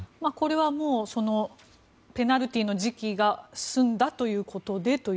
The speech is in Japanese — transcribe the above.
これはもうペナルティーの時期が済んだということで？